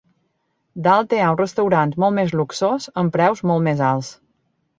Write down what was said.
Dalt hi ha un restaurant molt més luxós amb preus molt més alts.